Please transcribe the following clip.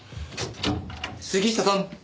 杉下さん。